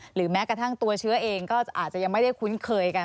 แม้กระทั่งตัวเชื้อเองก็อาจจะยังไม่ได้คุ้นเคยกัน